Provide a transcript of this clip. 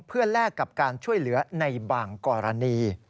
เพื่อแลกกับการช่วยเหลือในบางกรณี